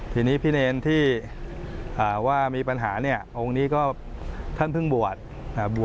ทีนี้พี่เนรที่ว่ามีปัญหาเนี่ยองค์นี้ก็ท่านเพิ่งบวช